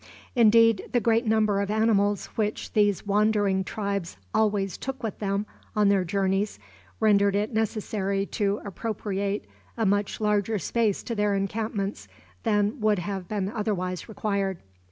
Indeed, the great number of animals which these wandering tribes always took with them on their journeys rendered it necessary to appropriate a much larger space to their encampments than would have been otherwise required.